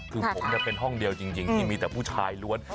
คือผมเป็นห้องเดียวจริงที่มีแต่ผู้ชายล้วน